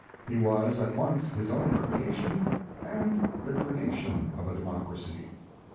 He was at once his own creation and the creation of a democracy.